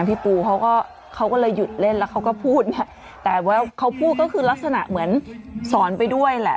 พี่ปูเขาก็เขาก็เลยหยุดเล่นแล้วเขาก็พูดเนี่ยแต่ว่าเขาพูดก็คือลักษณะเหมือนสอนไปด้วยแหละ